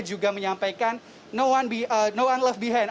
juga menyampaikan no one left behind